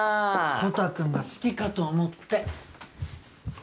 コタくんが好きかと思って。